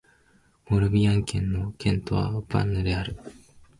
モルビアン県の県都はヴァンヌである